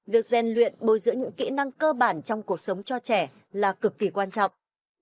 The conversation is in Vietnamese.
việc gian luyện bồi dưỡng những kỹ năng cơ bản trong cuộc sống cho trẻ là cực kỳ quan trọng